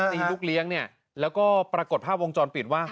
ลูกเลี้ยงเนี่ยแล้วก็ปรากฏภาพวงจรปิดว่า